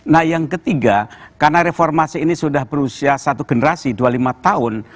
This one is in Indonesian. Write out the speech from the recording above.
nah yang ketiga karena reformasi ini sudah berusia satu generasi dua puluh lima tahun